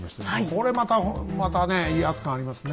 これまたまたね威圧感ありますね。